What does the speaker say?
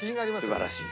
素晴らしい。